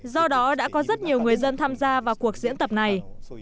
do đó đã có rất nhiều người dân tham gia vào cuộc diễn tập này